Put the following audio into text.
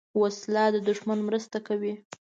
وسله د دوښمن مرسته کوي